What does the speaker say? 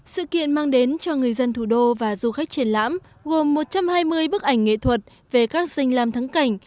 sự kiện mang đến cho người dân thủ đô và du khách triển lãm gồm một trăm hai mươi bức ảnh nghệ thuật về các danh làm thắng cảnh